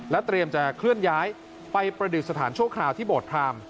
เตรียมจะเคลื่อนย้ายไปประดิษฐานชั่วคราวที่โบสถพราม